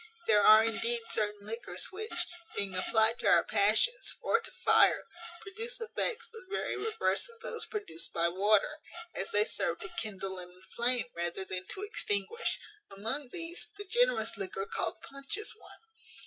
There are indeed certain liquors, which, being applied to our passions, or to fire, produce effects the very reverse of those produced by water, as they serve to kindle and inflame, rather than to extinguish. Among these, the generous liquor called punch is one.